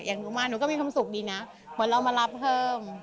หนูมาหนูก็มีความสุขดีนะเหมือนเรามารับเพิ่ม